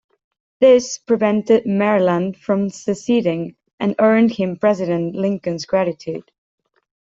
This prevented Maryland from seceding, and earned him President Lincoln's gratitude.